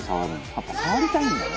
やっぱ、触りたいんだね。